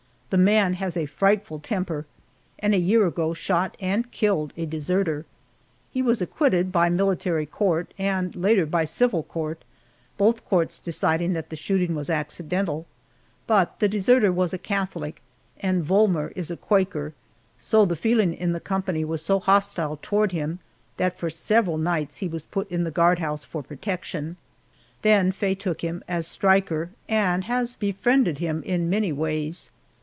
The man has a frightful temper, and a year ago shot and killed a deserter. He was acquitted by military court, and later by civil court, both courts deciding that the shooting was accidental. But the deserter was a catholic and Volmer is a quaker, so the feeling in the company was so hostile toward him that for several nights he was put in the guardhouse for protection. Then Faye took him as striker, and has befriended him in many ways.